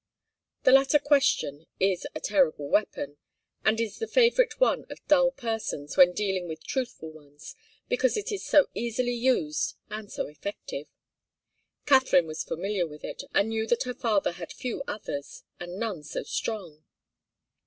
The latter question is a terrible weapon, and is the favourite one of dull persons when dealing with truthful ones, because it is so easily used and so effective. Katharine was familiar with it, and knew that her father had few others, and none so strong.